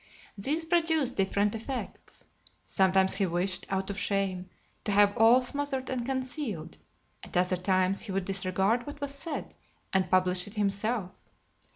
These produced different effects: sometimes he wished, out of shame, to have all smothered and concealed; at other times he would disregard what was said, and publish it himself.